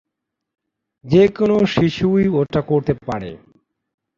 যে কোনো শিশুই ওটা করতে পারে।